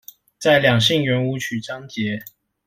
在兩性圓舞曲章節